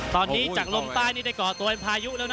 ตอนนี้จากลมใต้ได้ก่อตัวงายภายุแล้วนะ